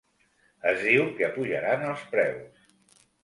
Es diu que apujaran els preus.